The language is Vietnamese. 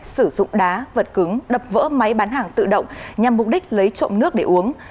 sử dụng đá vật cứng đập vỡ máy bán hàng tự động nhằm mục đích lấy trộm nước để uống